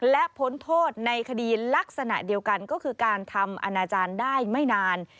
และพ้นโทษในคดีลักษณะเดียวกันก็คือการทำอนาจารย์ได้ไม่นาน